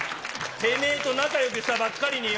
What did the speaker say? てめえと仲よくしたばっかりによ。